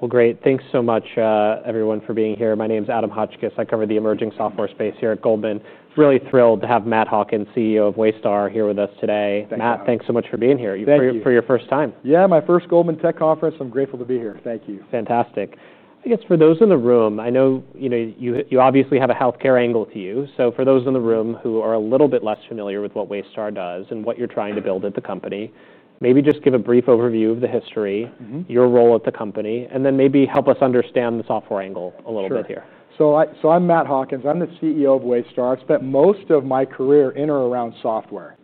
Thank you so much, everyone, for being here. My name is Adam Hotchkiss. I cover the emerging software space here at Goldman Sachs. I'm really thrilled to have Matt Hawkins, CEO of Waystar, here with us today. Matt, thanks so much for being here. Thank you. For your first time. Yeah, my first Goldman Sachs Tech Conference. I'm grateful to be here. Thank you. Fantastic. I guess for those in the room, I know you obviously have a healthcare angle to you. For those in the room who are a little bit less familiar with what Waystar does and what you're trying to build at the company, maybe just give a brief overview of the history, your role at the company, and then maybe help us understand the software angle a little bit here. Sure. I'm Matt Hawkins. I'm the CEO of Waystar. I've spent most of my career in or around software,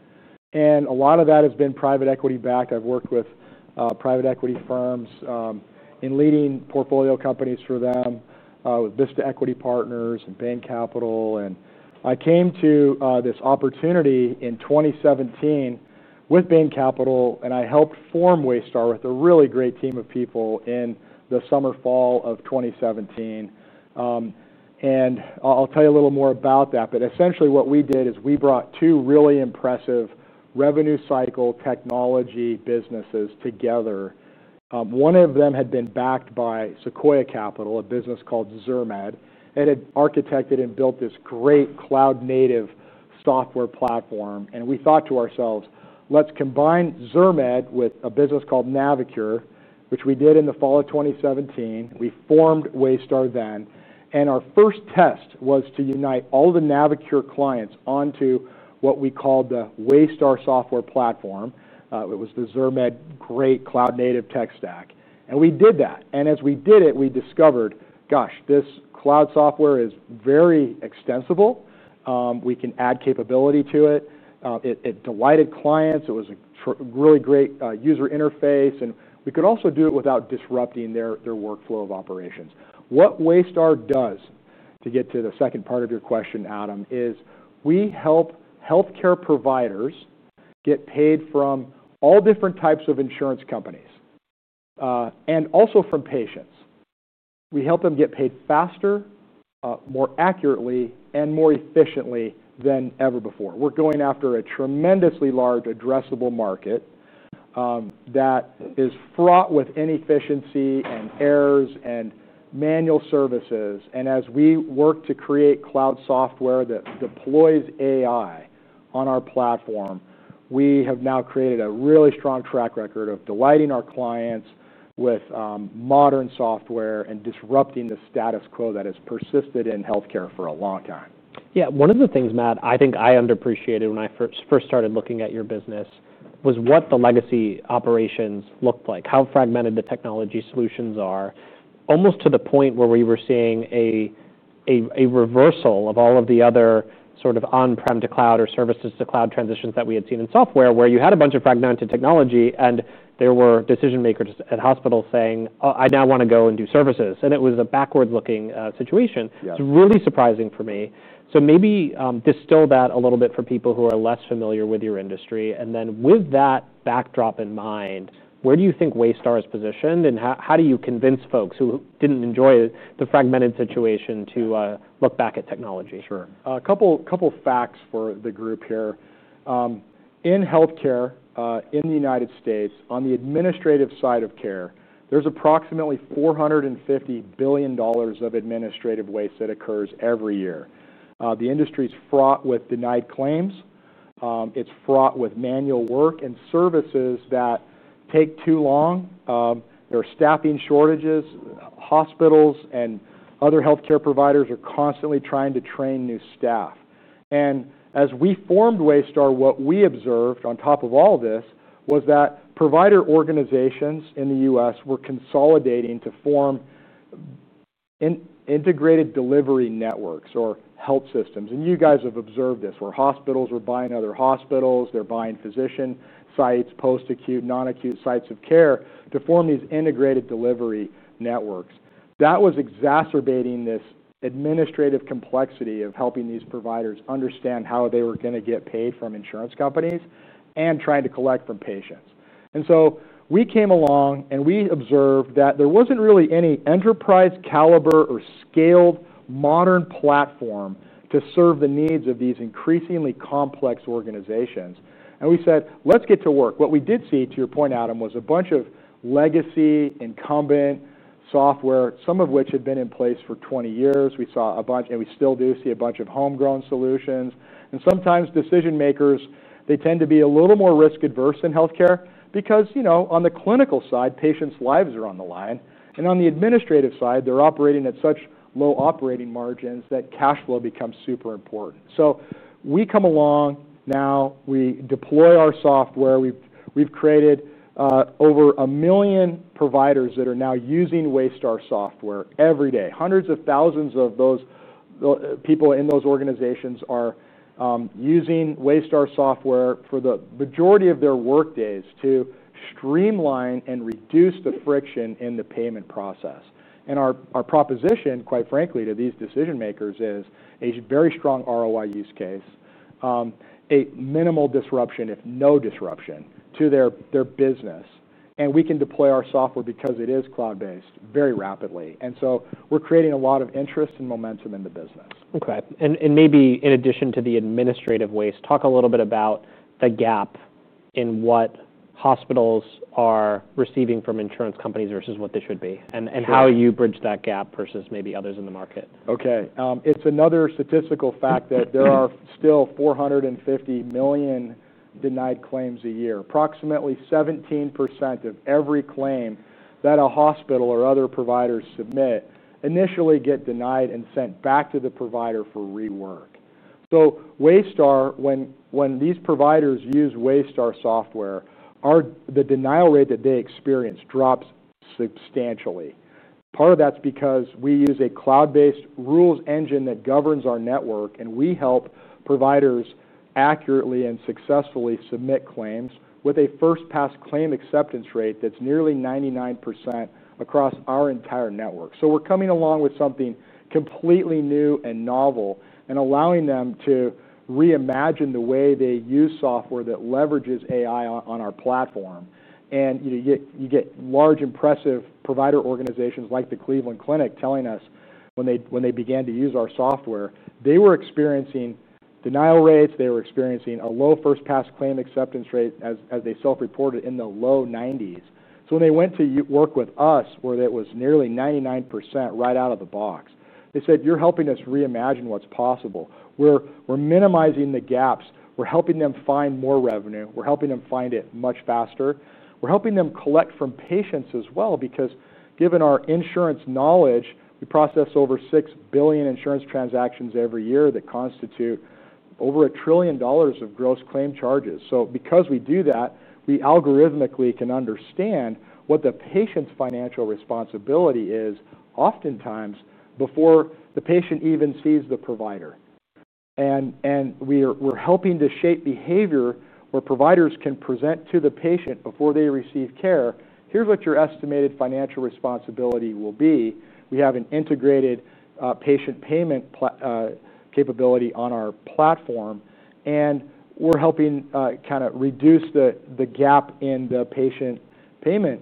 and a lot of that has been private equity backed. I've worked with private equity firms in leading portfolio companies for them, with Vista Equity Partners and Bain Capital. I came to this opportunity in 2017 with Bain Capital, and I helped form Waystar with a really great team of people in the summer-fall of 2017. I'll tell you a little more about that. Essentially, what we did is we brought two really impressive revenue cycle technology businesses together. One of them had been backed by Sequoia Capital, a business called Zirmed, and had architected and built this great cloud-native software platform. We thought to ourselves, let's combine Zirmed with a business called Navicure, which we did in the fall of 2017. We formed Waystar then. Our first test was to unite all the Navicure clients onto what we called the Waystar software platform. It was the Zirmed great cloud-native tech stack. We did that, and as we did it, we discovered, gosh, this cloud software is very extensible. We can add capability to it. It delighted clients. It was a really great user interface, and we could also do it without disrupting their workflow of operations. What Waystar does, to get to the second part of your question, Adam, is we help healthcare providers get paid from all different types of insurance companies and also from patients. We help them get paid faster, more accurately, and more efficiently than ever before. We're going after a tremendously large addressable market that is fraught with inefficiency and errors and manual services. As we work to create cloud software that deploys AI on our platform, we have now created a really strong track record of delighting our clients with modern software and disrupting the status quo that has persisted in healthcare for a long time. Yeah. One of the things, Matt, I think I underappreciated when I first started looking at your business was what the legacy operations looked like, how fragmented the technology solutions are, almost to the point where we were seeing a reversal of all of the other sort of on-prem to cloud or services to cloud transitions that we had seen in software, where you had a bunch of fragmented technology, and there were decision makers at hospitals saying, oh, I now want to go and do services. It was a backward-looking situation. Yeah. It's really surprising for me. Maybe distill that a little bit for people who are less familiar with your industry. With that backdrop in mind, where do you think Waystar is positioned? How do you convince folks who didn't enjoy the fragmented situation to look back at technology? Sure. A couple of facts for the group here. In health care in the U.S., on the administrative side of care, there's approximately $450 billion of administrative waste that occurs every year. The industry is fraught with denied claims. It's fraught with manual work and services that take too long. There are staffing shortages. Hospitals and other health care providers are constantly trying to train new staff. As we formed Waystar, what we observed on top of all this was that provider organizations in the U.S. were consolidating to form integrated delivery networks or health systems. You guys have observed this, where hospitals are buying other hospitals. They're buying physician sites, post-acute, non-acute sites of care to form these integrated delivery networks. That was exacerbating this administrative complexity of helping these providers understand how they were going to get paid from insurance companies and trying to collect from patients. We came along, and we observed that there wasn't really any enterprise caliber or scaled modern platform to serve the needs of these increasingly complex organizations. We said, let's get to work. What we did see, to your point, Adam, was a bunch of legacy incumbent software, some of which had been in place for 20 years. We saw a bunch, and we still do see a bunch of homegrown solutions. Sometimes decision makers tend to be a little more risk-averse in health care because, you know, on the clinical side, patients' lives are on the line. On the administrative side, they're operating at such low operating margins that cash flow becomes super important. We come along now. We deploy our software. We've created over a million providers that are now using Waystar software every day. Hundreds of thousands of those people in those organizations are using Waystar software for the majority of their workdays to streamline and reduce the friction in the payment process. Our proposition, quite frankly, to these decision makers is a very strong ROI use case, a minimal disruption, if no disruption, to their business. We can deploy our software because it is cloud-based very rapidly. We're creating a lot of interest and momentum in the business. OK. In addition to the administrative waste, talk a little bit about the gap in what hospitals are receiving from insurance companies versus what they should be, and how you bridge that gap versus maybe others in the market. OK. It's another statistical fact that there are still 450 million denied claims a year. Approximately 17% of every claim that a hospital or other providers submit initially gets denied and sent back to the provider for rework. When these providers use Waystar software, the denial rate that they experience drops substantially. Part of that's because we use a cloud-based rules engine that governs our network. We help providers accurately and successfully submit claims with a first-pass claim acceptance rate that's nearly 99% across our entire network. We are coming along with something completely new and novel and allowing them to reimagine the way they use software that leverages AI-powered capabilities on our platform. You get large, impressive provider organizations like the Cleveland Clinic telling us when they began to use our software, they were experiencing denial rates. They were experiencing a low first-pass claim acceptance rate, as they self-reported, in the low 90%. When they went to work with us, where it was nearly 99% right out of the box, they said, you're helping us reimagine what's possible. We're minimizing the gaps. We're helping them find more revenue. We're helping them find it much faster. We're helping them collect from patients as well because given our insurance knowledge, we process over 6 billion insurance transactions every year that constitute over $1 trillion of gross claim charges. Because we do that, we algorithmically can understand what the patient's financial responsibility is oftentimes before the patient even sees the provider. We're helping to shape behavior where providers can present to the patient before they receive care, here's what your estimated financial responsibility will be. We have an integrated patient payment capability on our platform. We're helping kind of reduce the gap in the patient payment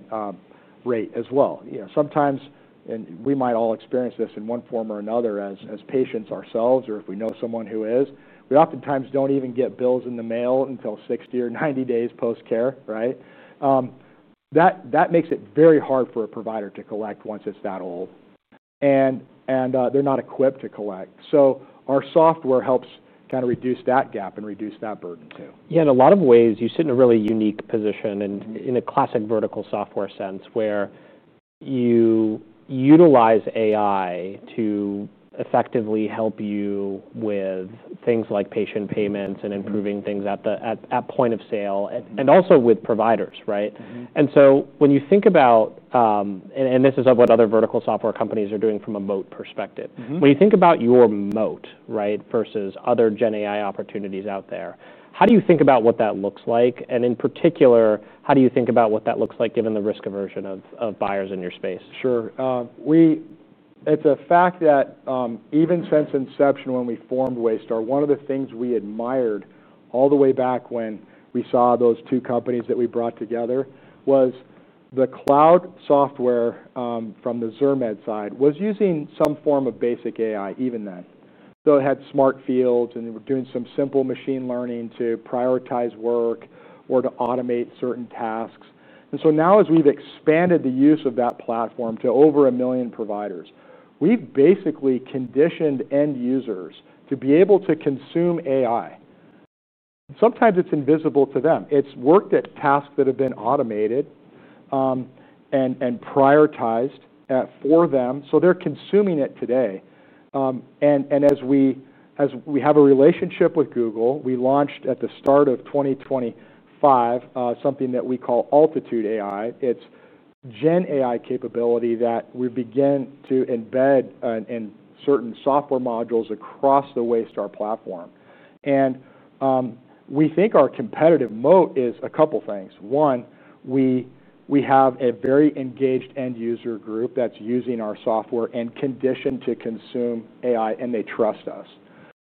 rate as well. Sometimes, and we might all experience this in one form or another as patients ourselves, or if we know someone who is, we oftentimes don't even get bills in the mail until 60 or 90 days post-care, right? That makes it very hard for a provider to collect once it's that old. They're not equipped to collect. Our software helps kind of reduce that gap and reduce that burden too. Yeah. In a lot of ways, you sit in a really unique position in a classic vertical software sense where you utilize AI to effectively help you with things like patient payments and improving things at that point of sale, and also with providers, right? When you think about, and this is what other vertical software companies are doing from a moat perspective, when you think about your moat, right, versus other Gen AI opportunities out there, how do you think about what that looks like? In particular, how do you think about what that looks like given the risk aversion of buyers in your space? Sure. It's a fact that even since inception, when we formed Waystar, one of the things we admired all the way back when we saw those two companies that we brought together was the cloud software from the Zirmed side was using some form of basic AI even then. It had smart fields, and we were doing some simple machine learning to prioritize work or to automate certain tasks. Now, as we've expanded the use of that platform to over a million providers, we've basically conditioned end users to be able to consume AI. Sometimes it's invisible to them. It's worked at tasks that have been automated and prioritized for them. They're consuming it today. As we have a relationship with Google, we launched at the start of 2025 something that we call AltitudeAI. It's Gen AI capability that we begin to embed in certain software modules across the Waystar platform. We think our competitive moat is a couple of things. One, we have a very engaged end user group that's using our software and conditioned to consume AI, and they trust us.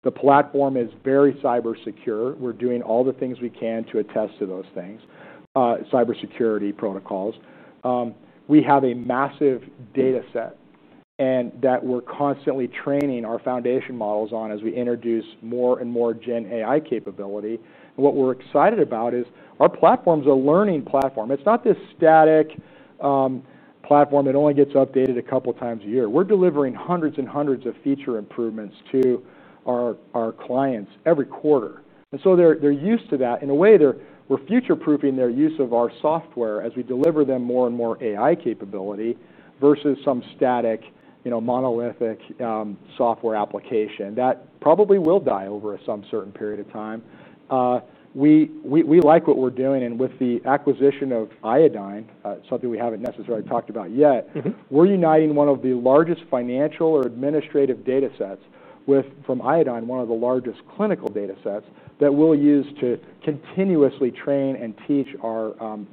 The platform is very cybersecure. We're doing all the things we can to attest to those things, cybersecurity protocols. We have a massive data set that we're constantly training our foundation models on as we introduce more and more Gen AI capability. What we're excited about is our platform's a learning platform. It's not this static platform that only gets updated a couple of times a year. We're delivering hundreds and hundreds of feature improvements to our clients every quarter. They're used to that. In a way, we're future-proofing their use of our software as we deliver them more and more AI capability versus some static, monolithic software application that probably will die over some certain period of time. We like what we're doing. With the acquisition of Iodine Software, something we haven't necessarily talked about yet, we're uniting one of the largest financial or administrative data sets from Iodine, one of the largest clinical data sets that we'll use to continuously train and teach our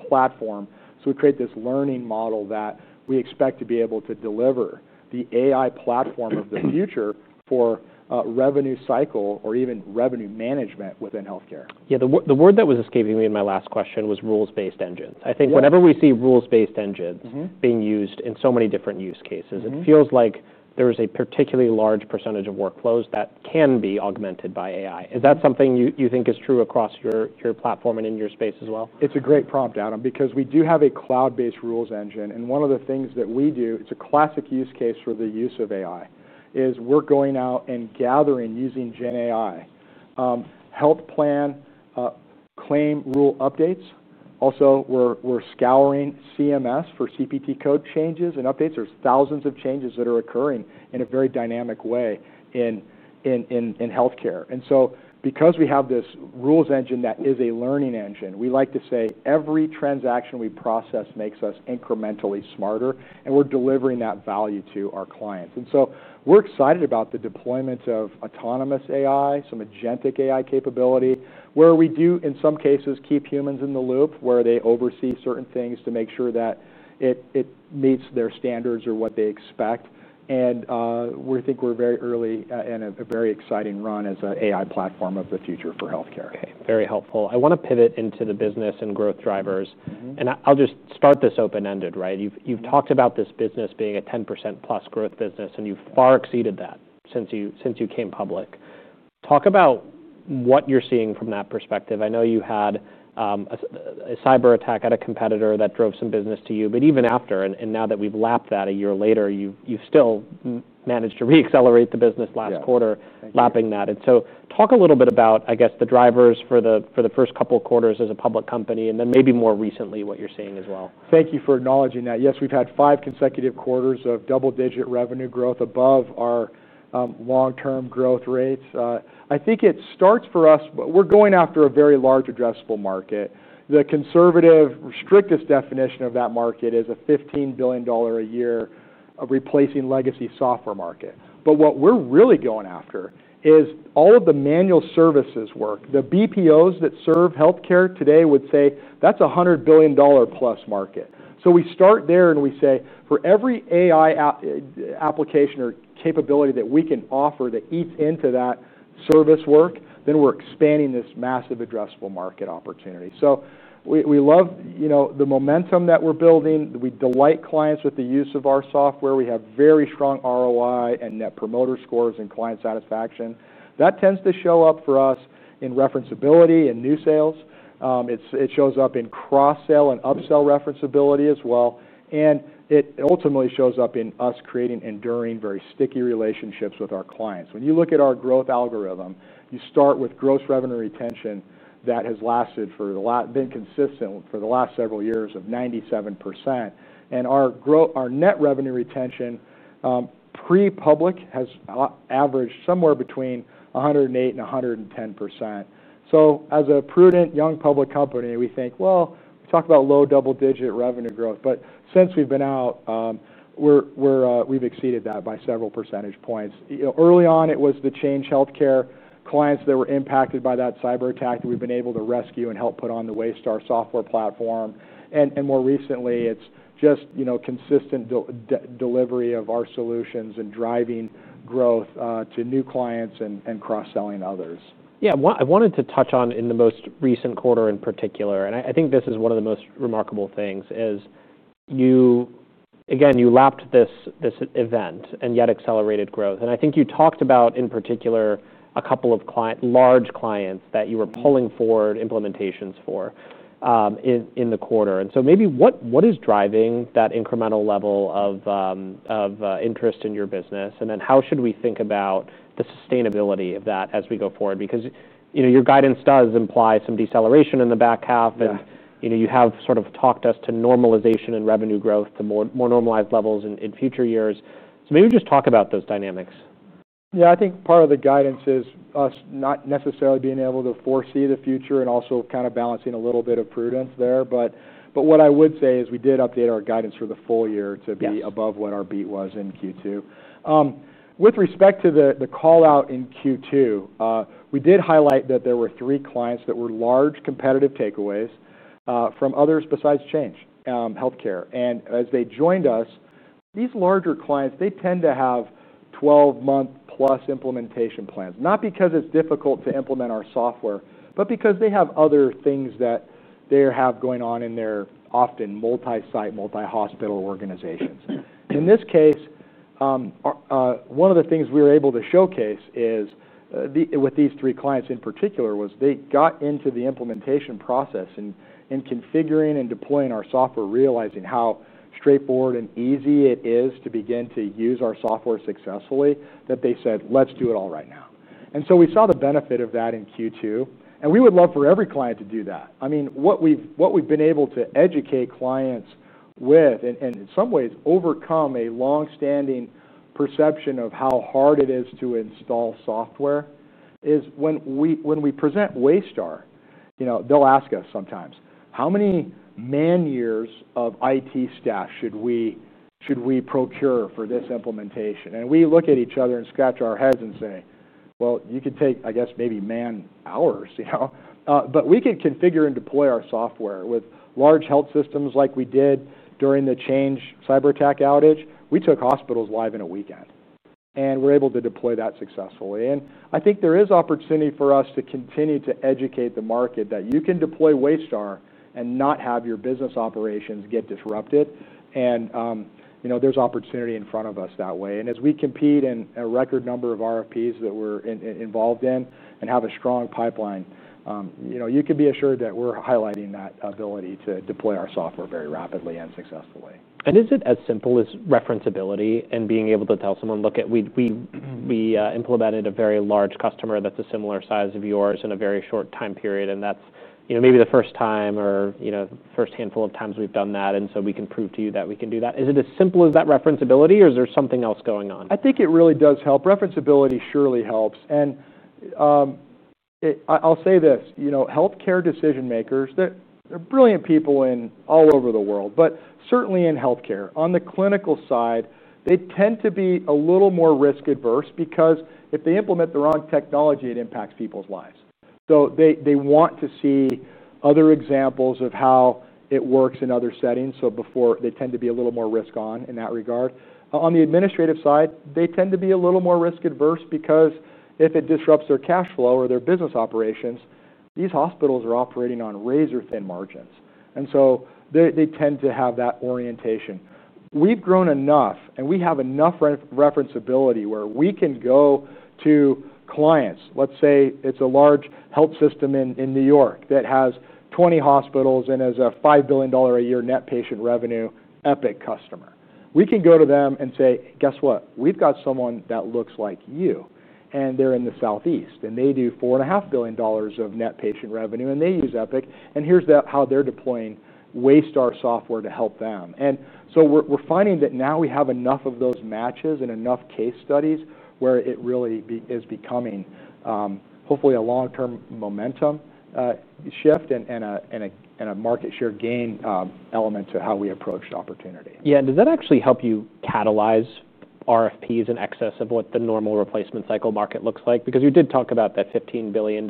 platform. We create this learning model that we expect to be able to deliver the AI platform of the future for revenue cycle or even revenue management within healthcare. Yeah. The word that was escaping me in my last question was cloud-based rules engine. Right. I think whenever we see rules-based engines being used in so many different use cases, it feels like there is a particularly large % of workflows that can be augmented by AI. Is that something you think is true across your platform and in your space as well? It's a great prompt, Adam, because we do have a cloud-based rules engine. One of the things that we do, it's a classic use case for the use of AI, is we're going out and gathering, using Gen AI, health plan claim rule updates. We're also scouring CMS for CPT code changes and updates. There are thousands of changes that are occurring in a very dynamic way in healthcare. Because we have this rules engine that is a learning engine, we like to say every transaction we process makes us incrementally smarter, and we're delivering that value to our clients. We're excited about the deployment of autonomous AI, some agentic AI capability, where we do, in some cases, keep humans in the loop, where they oversee certain things to make sure that it meets their standards or what they expect. We think we're very early in a very exciting run as an AI platform of the future for healthcare. Very helpful. I want to pivot into the business and growth drivers. I'll just start this open-ended, right? You've talked about this business being a 10%+ growth business, and you've far exceeded that since you came public. Talk about what you're seeing from that perspective. I know you had a cyber attack at a competitor that drove some business to you. Even after, and now that we've lapped that a year later, you've still managed to re-accelerate the business last quarter. Yeah. Talk a little bit about, I guess, the drivers for the first couple of quarters as a public company and then maybe more recently what you're seeing as well. Thank you for acknowledging that. Yes, we've had five consecutive quarters of double-digit revenue growth above our long-term growth rates. I think it starts for us, we're going after a very large addressable market. The conservative strictest definition of that market is a $15 billion a year of replacing legacy software market. What we're really going after is all of the manual services work. The BPOs that serve healthcare today would say that's a $100 billion plus market. We start there, and we say for every AI application or capability that we can offer that eats into that service work, then we're expanding this massive addressable market opportunity. We love the momentum that we're building. We delight clients with the use of our software. We have very strong ROI and net promoter scores and client satisfaction. That tends to show up for us in referenceability and new sales. It shows up in cross-sale and upsell referenceability as well. It ultimately shows up in us creating enduring, very sticky relationships with our clients. When you look at our growth algorithm, you start with gross revenue retention that has lasted for the last, been consistent for the last several years of 97%. Our net revenue retention pre-public has averaged somewhere between 108% and 110%. As a prudent young public company, we think, we talk about low double-digit revenue growth. Since we've been out, we've exceeded that by several percentage points. Early on, it was the Change Healthcare clients that were impacted by that cyberattack that we've been able to rescue and help put on the Waystar software platform. More recently, it's just consistent delivery of our solutions and driving growth to new clients and cross-selling others. I wanted to touch on in the most recent quarter in particular, and I think this is one of the most remarkable things, you lapped this event and yet accelerated growth. I think you talked about, in particular, a couple of large clients that you were pulling forward implementations for in the quarter. What is driving that incremental level of interest in your business? How should we think about the sustainability of that as we go forward? Your guidance does imply some deceleration in the back half. Yeah. You have sort of talked us to normalization and revenue growth to more normalized levels in future years. Maybe just talk about those dynamics. Yeah. I think part of the guidance is us not necessarily being able to foresee the future and also kind of balancing a little bit of prudence there. What I would say is we did update our guidance for the full year to be above what our beat was in Q2. With respect to the call out in Q2, we did highlight that there were three clients that were large competitive takeaways from others besides Change Healthcare. As they joined us, these larger clients tend to have 12-month plus implementation plans, not because it's difficult to implement our software, but because they have other things that they have going on in their often multi-site, multi-hospital organizations. In this case, one of the things we were able to showcase with these three clients in particular was they got into the implementation process and configuring and deploying our software, realizing how straightforward and easy it is to begin to use our software successfully, that they said, let's do it all right now. We saw the benefit of that in Q2. We would love for every client to do that. What we've been able to educate clients with and in some ways overcome a longstanding perception of how hard it is to install software is when we present Waystar, they'll ask us sometimes, how many man-years of IT staff should we procure for this implementation? We look at each other and scratch our heads and say, you could take, I guess, maybe man-hours. You know, we can configure and deploy our software with large health systems like we did during the Change cyber attack outage. We took hospitals live in a weekend. We're able to deploy that successfully. I think there is opportunity for us to continue to educate the market that you can deploy Waystar and not have your business operations get disrupted. You know, there's opportunity in front of us that way. As we compete in a record number of RFPs that we're involved in and have a strong pipeline, you can be assured that we're highlighting that ability to deploy our software very rapidly and successfully. Is it as simple as referenceability and being able to tell someone, look, we implemented a very large customer that's a similar size of yours in a very short time period? That's maybe the first time or the first handful of times we've done that, and we can prove to you that we can do that. Is it as simple as that referenceability, or is there something else going on? I think it really does help. Referenceability surely helps. I'll say this: healthcare decision makers, they're brilliant people all over the world, but certainly in healthcare. On the clinical side, they tend to be a little more risk-averse because if they implement the wrong technology, it impacts people's lives. They want to see other examples of how it works in other settings. They tend to be a little more risk-on in that regard. On the administrative side, they tend to be a little more risk-averse because if it disrupts their cash flow or their business operations, these hospitals are operating on razor-thin margins. They tend to have that orientation. We've grown enough, and we have enough referenceability where we can go to clients. Let's say it's a large health system in New York that has 20 hospitals and has $5 billion a year net patient revenue Epic customer. We can go to them and say, guess what? We've got someone that looks like you. They're in the Southeast. They do $4.5 billion of net patient revenue, and they use Epic. Here's how they're deploying Waystar software to help them. We're finding that now we have enough of those matches and enough case studies where it really is becoming, hopefully, a long-term momentum shift and a market share gain element to how we approach the opportunity. Does that actually help you catalyze RFPs in excess of what the normal replacement cycle market looks like? Because you did talk about that $15 billion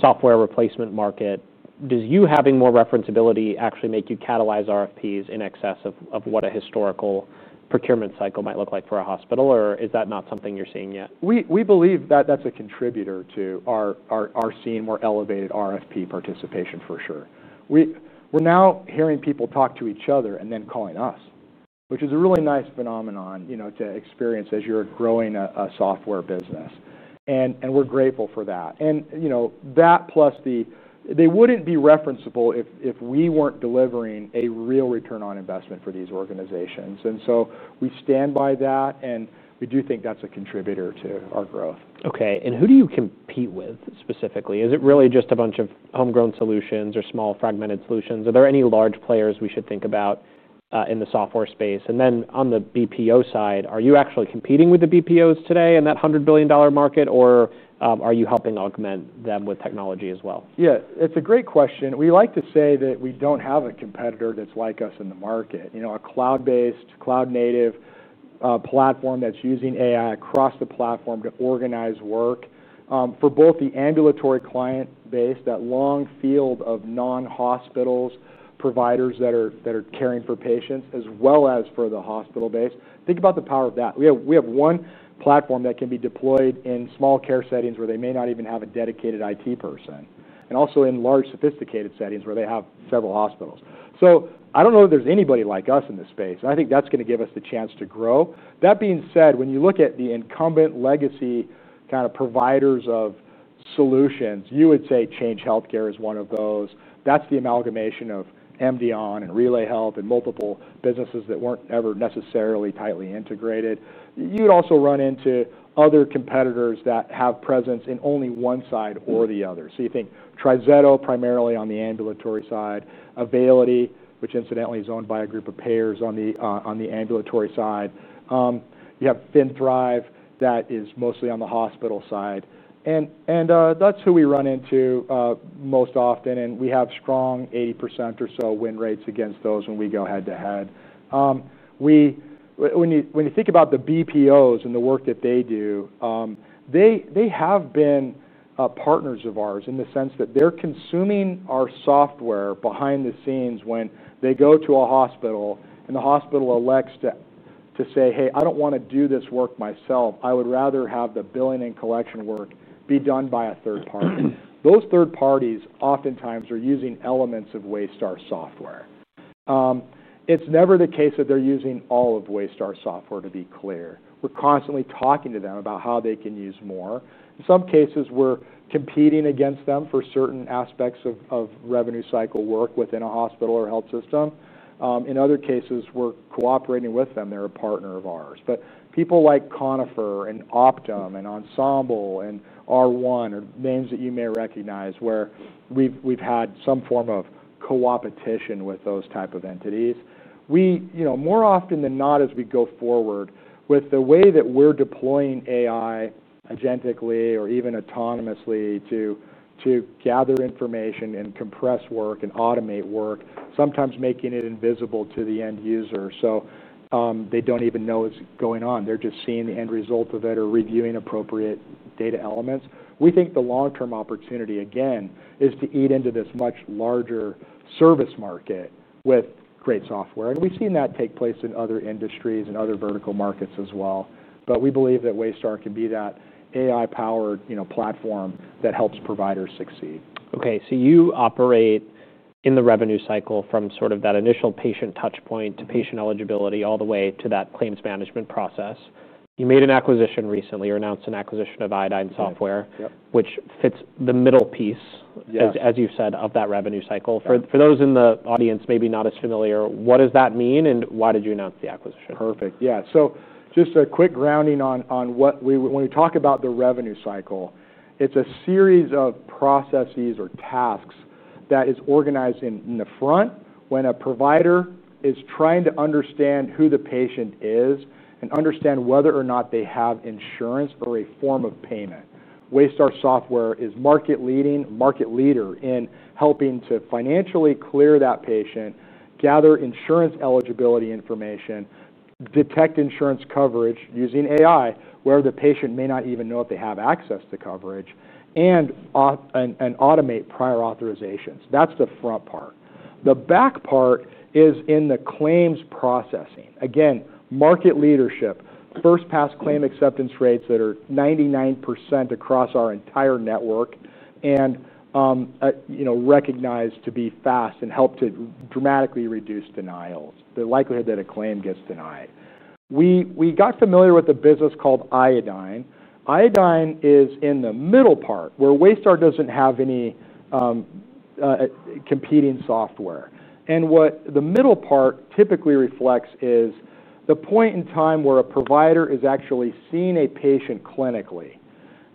software replacement market. Does you having more referenceability actually make you catalyze RFPs in excess of what a historical procurement cycle might look like for a hospital, or is that not something you're seeing yet? We believe that that's a contributor to our seeing more elevated RFP participation for sure. We're now hearing people talk to each other and then calling us, which is a really nice phenomenon to experience as you're growing a software business. We're grateful for that. That plus the, they wouldn't be referenceable if we weren't delivering a real return on investment for these organizations. We stand by that, and we do think that's a contributor to our growth. OK. Who do you compete with specifically? Is it really just a bunch of homegrown solutions or small fragmented solutions? Are there any large players we should think about in the software space? On the BPO side, are you actually competing with the BPOs today in that $100 billion market, or are you helping augment them with technology as well? Yeah. It's a great question. We like to say that we don't have a competitor that's like us in the market, a cloud-based, cloud-native platform that's using AI across the platform to organize work for both the ambulatory client base, that long field of non-hospital providers that are caring for patients, as well as for the hospital base. Think about the power of that. We have one platform that can be deployed in small care settings where they may not even have a dedicated IT person and also in large, sophisticated settings where they have several hospitals. I don't know that there's anybody like us in this space. I think that's going to give us the chance to grow. That being said, when you look at the incumbent legacy kind of providers of solutions, you would say Change Healthcare is one of those. That's the amalgamation of MDON and RelayHealth and multiple businesses that weren't ever necessarily tightly integrated. You'd also run into other competitors that have presence in only one side or the other. You think TriZetto, primarily on the ambulatory side, Availity, which incidentally is owned by a group of payers on the ambulatory side. You have Findrive that is mostly on the hospital side. That's who we run into most often. We have strong 80% or so win rates against those when we go head to head. When you think about the BPOs and the work that they do, they have been partners of ours in the sense that they're consuming our software behind the scenes when they go to a hospital and the hospital elects to say, hey, I don't want to do this work myself. I would rather have the billing and collection work be done by a third party. Those third parties oftentimes are using elements of Waystar software. It's never the case that they're using all of Waystar software, to be clear. We're constantly talking to them about how they can use more. In some cases, we're competing against them for certain aspects of revenue cycle work within a hospital or health system. In other cases, we're cooperating with them. They're a partner of ours. People like Conifer and Optum and Ensemble and R1 are names that you may recognize where we've had some form of coopetition with those types of entities. More often than not, as we go forward with the way that we're deploying AI agentically or even autonomously to gather information and compress work and automate work, sometimes making it invisible to the end user so they don't even know it's going on. They're just seeing the end result of it or reviewing appropriate data elements. We think the long-term opportunity is to eat into this much larger service market with great software. We've seen that take place in other industries and other vertical markets as well. We believe that Waystar can be that AI-powered platform that helps providers succeed. OK. You operate in the revenue cycle from that initial patient touchpoint to patient eligibility all the way to that claims management process. You made an acquisition recently or announced an acquisition of Iodine Software. Yep. Which fits the middle piece. Yeah. As you said, of that revenue cycle. Yeah. For those in the audience maybe not as familiar, what does that mean? Why did you announce the acquisition? Perfect. Yeah. Just a quick grounding on when we talk about the revenue cycle, it's a series of processes or tasks that are organized in the front when a provider is trying to understand who the patient is and understand whether or not they have insurance or a form of payment. Waystar software is market leading, market leader in helping to financially clear that patient, gather insurance eligibility information, detect insurance coverage using AI where the patient may not even know if they have access to coverage, and automate prior authorizations. That's the front part. The back part is in the claims processing. Again, market leadership, first-pass claim acceptance rates that are 99% across our entire network and recognized to be fast and help to dramatically reduce denials, the likelihood that a claim gets denied. We got familiar with a business called Iodine. Iodine is in the middle part where Waystar doesn't have any competing software. What the middle part typically reflects is the point in time where a provider is actually seeing a patient clinically.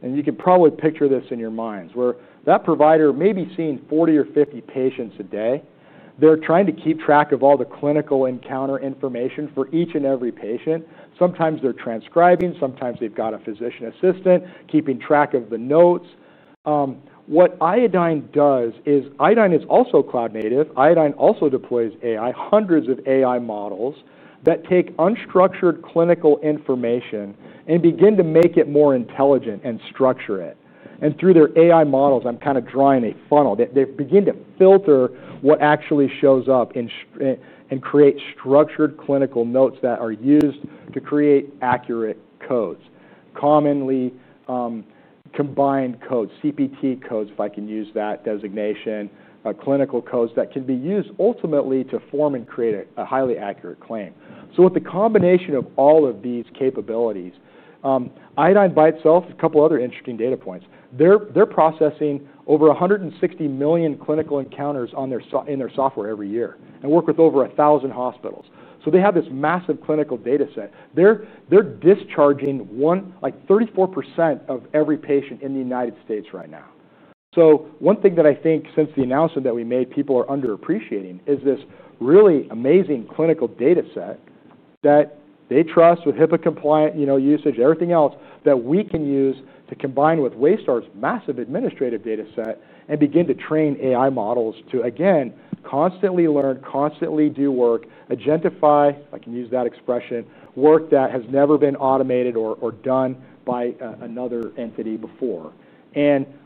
You could probably picture this in your minds, where that provider may be seeing 40 or 50 patients a day. They're trying to keep track of all the clinical encounter information for each and every patient. Sometimes they're transcribing. Sometimes they've got a physician assistant keeping track of the notes. What Iodine does is Iodine is also cloud-native. Iodine also deploys AI, hundreds of AI models that take unstructured clinical information and begin to make it more intelligent and structure it. Through their AI models, I'm kind of drawing a funnel. They begin to filter what actually shows up and create structured clinical notes that are used to create accurate codes, commonly combined codes, CPT codes, if I can use that designation, clinical codes that can be used ultimately to form and create a highly accurate claim. With the combination of all of these capabilities, Iodine by itself has a couple of other interesting data points. They're processing over 160 million clinical encounters in their software every year and work with over 1,000 hospitals. They have this massive clinical data set. They're discharging like 34% of every patient in the United States right now. One thing that I think since the announcement that we made, people are underappreciating is this really amazing clinical data set that they trust with HIPAA-compliant usage, everything else that we can use to combine with Waystar's massive administrative data set and begin to train AI models to, again, constantly learn, constantly do work, agentify, if I can use that expression, work that has never been automated or done by another entity before.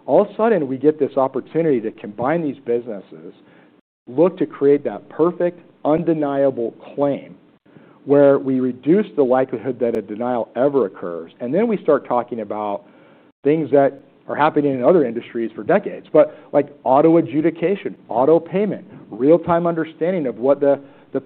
All of a sudden, we get this opportunity to combine these businesses, look to create that perfect, undeniable claim where we reduce the likelihood that a denial ever occurs. We start talking about things that are happening in other industries for decades, like auto adjudication, auto payment, real-time understanding of what the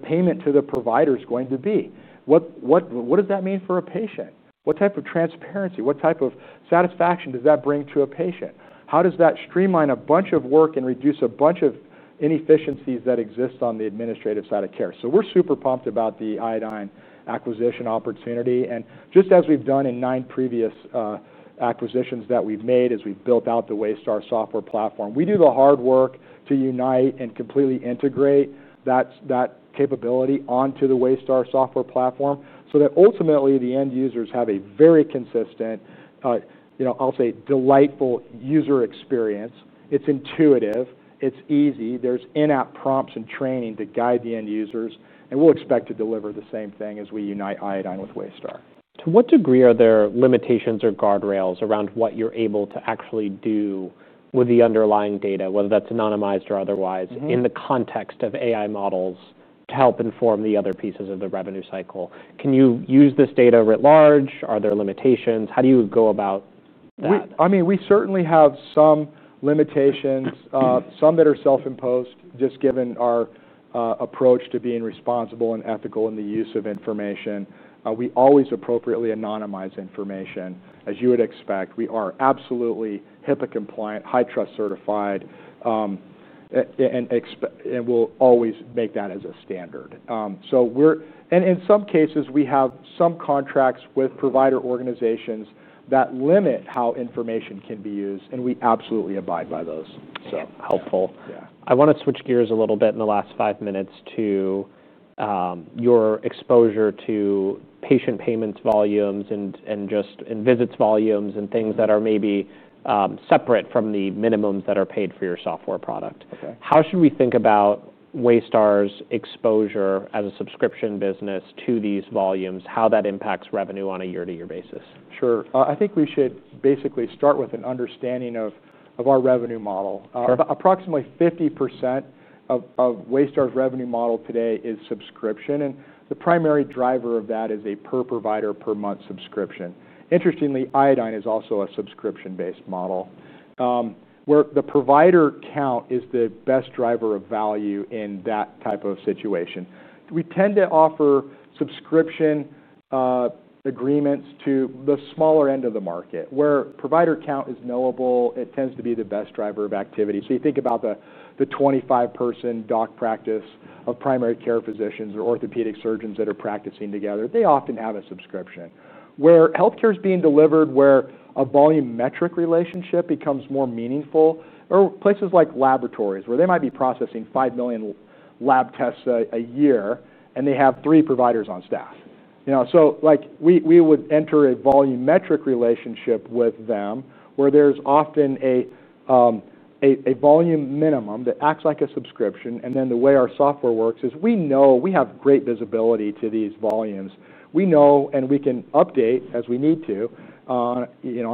payment to the provider is going to be. What does that mean for a patient? What type of transparency? What type of satisfaction does that bring to a patient? How does that streamline a bunch of work and reduce a bunch of inefficiencies that exist on the administrative side of care? We're super pumped about the Iodine Software acquisition opportunity. Just as we've done in nine previous acquisitions that we've made as we've built out the Waystar software platform, we do the hard work to unite and completely integrate that capability onto the Waystar software platform so that ultimately the end users have a very consistent, I'll say, delightful user experience. It's intuitive. It's easy. There's in-app prompts and training to guide the end users. We'll expect to deliver the same thing as we unite Iodine Software with Waystar. To what degree are there limitations or guardrails around what you're able to actually do with the underlying data, whether that's anonymized or otherwise? Yeah. In the context of AI models to help inform the other pieces of the revenue cycle, can you use this data writ large? Are there limitations? How do you go about that? I mean, we certainly have some limitations, some that are self-imposed just given our approach to being responsible and ethical in the use of information. We always appropriately anonymize information, as you would expect. We are absolutely HIPAA compliant, HITRUST certified, and we'll always make that a standard. In some cases, we have some contracts with provider organizations that limit how information can be used. We absolutely abide by those. So helpful. Yeah. I want to switch gears a little bit in the last five minutes to your exposure to patient payments volumes and just visits volumes and things that are maybe separate from the minimums that are paid for your software product. Right. How should we think about Waystar's exposure as a subscription business to these volumes, how that impacts revenue on a year-to-year basis? Sure, I think we should basically start with an understanding of our revenue model. Sure. Approximately 50% of Waystar's revenue model today is subscription, and the primary driver of that is a per-provider per-month subscription. Interestingly, Iodine is also a subscription-based model where the provider count is the best driver of value in that type of situation. We tend to offer subscription agreements to the smaller end of the market where provider count is knowable. It tends to be the best driver of activity. You think about the 25-person doc practice of primary care physicians or orthopedic surgeons that are practicing together. They often have a subscription. Where healthcare is being delivered, where a volumetric relationship becomes more meaningful, are places like laboratories, where they might be processing 5 million lab tests a year, and they have three providers on staff. We would enter a volumetric relationship with them where there's often a volume minimum that acts like a subscription. The way our software works is we know we have great visibility to these volumes. We know, and we can update as we need to on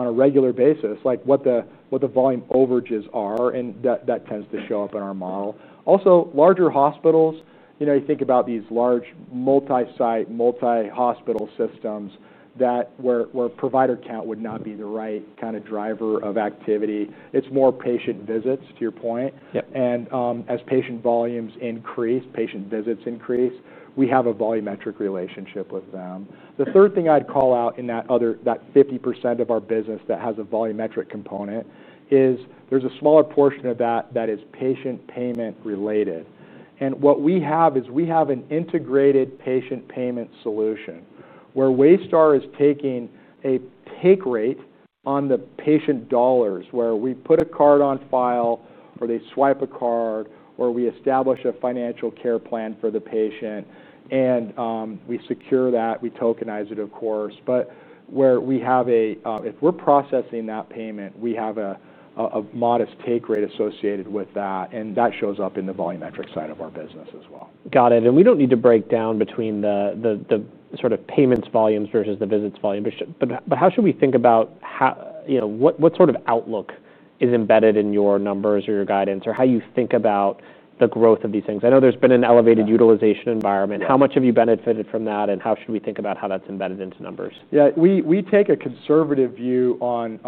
a regular basis, what the volume overages are, and that tends to show up in our model. Also, larger hospitals, you think about these large multi-site, multi-hospital systems where provider count would not be the right kind of driver of activity. It's more patient visits, to your point. Yep. As patient volumes increase, patient visits increase, we have a volumetric relationship with them. The third thing I'd call out in that 50% of our business that has a volumetric component is there's a smaller portion of that that is patient payment related. What we have is an integrated patient payment solution where Waystar is taking a take rate on the patient dollars, where we put a card on file, where they swipe a card, where we establish a financial care plan for the patient. We secure that. We tokenize it, of course. Where we are processing that payment, we have a modest take rate associated with that. That shows up in the volumetric side of our business as well. Got it. We don't need to break down between the sort of payments volumes versus the visits volume. How should we think about what sort of outlook is embedded in your numbers or your guidance or how you think about the growth of these things? I know there's been an elevated utilization environment. How much have you benefited from that? How should we think about how that's embedded into numbers? Yeah. We take a conservative view on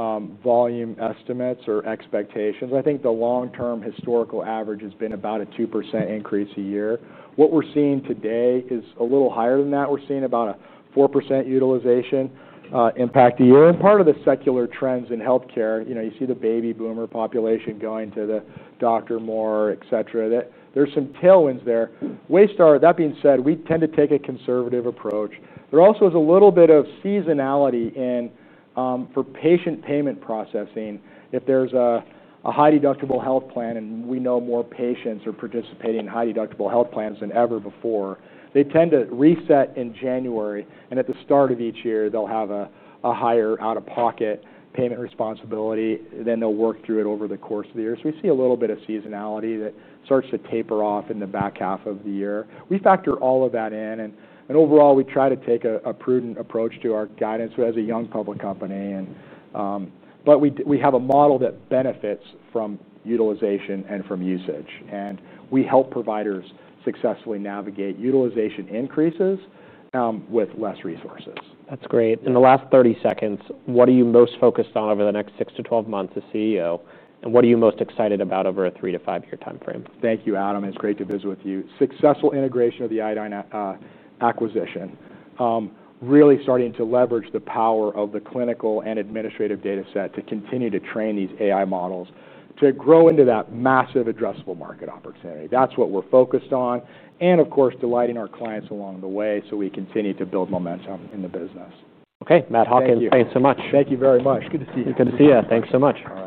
volume estimates or expectations. I think the long-term historical average has been about a 2% increase a year. What we're seeing today is a little higher than that. We're seeing about a 4% utilization impact a year. Part of the secular trends in healthcare, you see the baby boomer population going to the doctor more, et cetera, that there's some tailwinds there. Waystar, that being said, we tend to take a conservative approach. There also is a little bit of seasonality for patient payment processing. If there's a high deductible health plan, and we know more patients are participating in high deductible health plans than ever before, they tend to reset in January. At the start of each year, they'll have a higher out-of-pocket payment responsibility. They'll work through it over the course of the year. We see a little bit of seasonality that starts to taper off in the back half of the year. We factor all of that in. Overall, we try to take a prudent approach to our guidance as a young public company. We have a model that benefits from utilization and from usage, and we help providers successfully navigate utilization increases with less resources. That's great. In the last 30 seconds, what are you most focused on over the next 6 to 12 months as CEO? What are you most excited about over a 3 to 5-year time frame? Thank you, Adam. It's great to visit with you. Successful integration of the Iodine acquisition, really starting to leverage the power of the clinical and administrative data set to continue to train these AI models to grow into that massive addressable market opportunity. That is what we're focused on. Of course, delighting our clients along the way so we continue to build momentum in the business. OK. Matt Hawkins, thanks so much. Thank you very much. Good to see you. Good to see you. Thanks so much. All right.